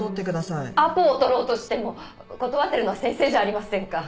アポを取ろうとしても断ってるのは先生じゃありませんか。